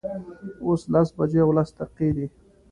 اوس لس بجې او لس دقیقې دي